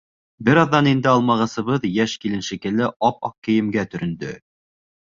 Бер аҙҙан инде алмағасыбыҙ, йәш килен шикелле, ап-аҡ кейемгә төрөндө.